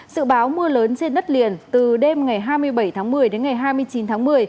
sự báo mưa lớn trên đất liền từ đêm ngày hai mươi bảy tháng một mươi đến ngày hai mươi chín tháng một mươi